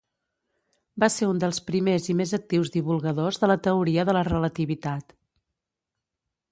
Va ser un dels primers i més actius divulgadors de la teoria de la relativitat.